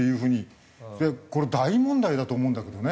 これ大問題だと思うんだけどね。